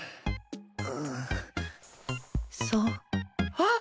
あっ！